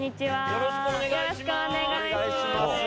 よろしくお願いします